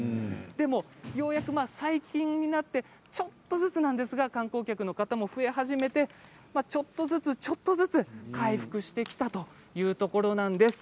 でも、ようやく最近になってちょっとずつなんですが観光客の方も増え始めてちょっとずつ、ちょっとずつ回復してきたというところなんです。